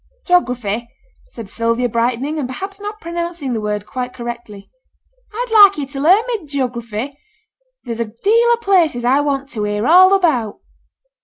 'Geography!' said Sylvia, brightening, and perhaps not pronouncing the word quite correctly, 'I'd like yo' to learn me geography. There's a deal o' places I want to hear all about.'